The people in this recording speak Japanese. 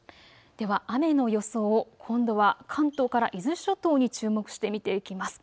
では雨の予想を今度は関東から伊豆諸島に注目して見ていきます。